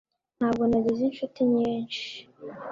ntabwo nagize inshuti nyinshi